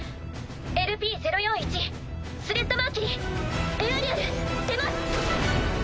ＬＰ０４１スレッタ・マーキュリーエアリアル出ます！